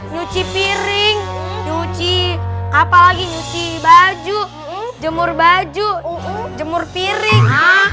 nyuci piring nyuci apa lagi nyuci baju jemur baju jemur piring